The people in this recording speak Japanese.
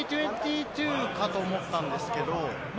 ５０：２２かと思ったんですけれども。